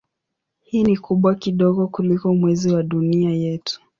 Hii ni kubwa kidogo kuliko Mwezi wa Dunia yetu.